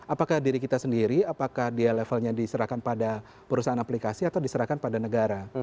apakah diri kita sendiri apakah dia levelnya diserahkan pada perusahaan aplikasi atau diserahkan pada negara